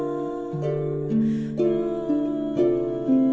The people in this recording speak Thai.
อ๋อมันก็แทบจะไม่ได้รับเหมือนเดียว